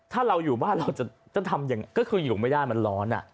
ถ้าเราอยู่บ้านเราจะต้องทำอย่างงั้นก็คืออยู่ไม่ได้มันร้อนอ่ะ